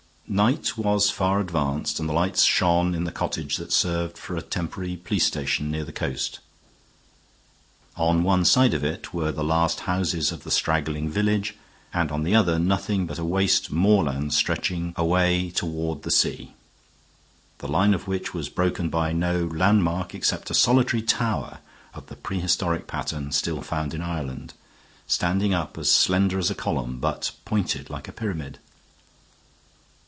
Night was far advanced and the lights shone in the cottage that served for a temporary police station near the coast. On one side of it were the last houses of the straggling village, and on the other nothing but a waste moorland stretching away toward the sea, the line of which was broken by no landmark except a solitary tower of the prehistoric pattern still found in Ireland, standing up as slender as a column, but pointed like a pyramid.